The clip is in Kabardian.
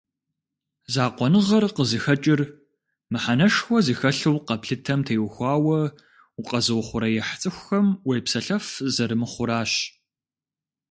Закъуэныгъэр къызыхэкӏыр мыхьэнэшхуэ зыхэлъу къэплъытэм теухуауэ укъэзыухъуреихь цӏыхухэм уепсэлъэф зэрымыхъуращ.